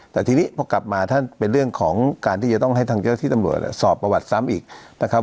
แต่ทีนี้พอกลับมาท่านเป็นเรื่องของการที่จะต้องให้ทางเจ้าที่ตำรวจสอบประวัติซ้ำอีกนะครับ